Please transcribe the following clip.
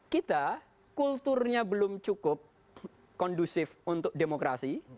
kita kulturnya belum cukup kondusif untuk demokrasi